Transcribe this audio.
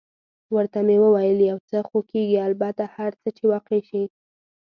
ورته مې وویل: یو څه خو کېږي، البته هر څه چې واقع شي.